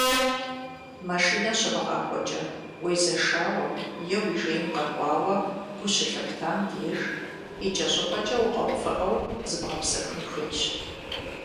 Машинэ щыбгъакӏуэкӏэ, уезэшауэ е уи жеин къэкӏуауэ гу щылъыптам деж, икӏэщӏыпӏэкӏэ укъэувыӏэу, зыбгъэпсэхун хуейщ.